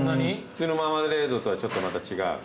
普通のマーマレードとはちょっとまた違う？